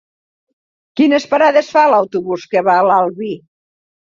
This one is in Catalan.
Quines parades fa l'autobús que va a l'Albi?